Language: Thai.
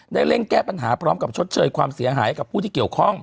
เร่งแก้ปัญหาพร้อมกับชดเชยความเสียหายให้กับผู้ที่เกี่ยวข้อง